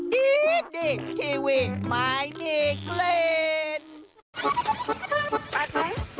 ดีดิคทีวีไม่ลิขเล็ก